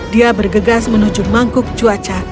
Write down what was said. dia bergegas menuju mangkuk cuaca